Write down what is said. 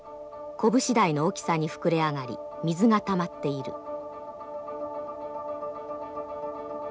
拳大の大きさに膨れ上がり水がたまっている。